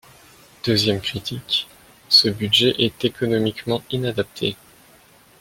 Deuxième critique, ce budget est économiquement inadapté.